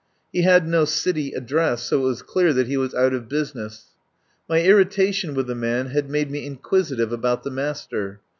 He had no city address, so it was clear that he was out of business. My irritation with the man had made me inquisitive about the master.